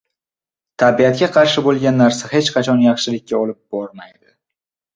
Tabiatga qarshi bo‘lgan narsa hech qachon yaxshilikka olib bormaydi.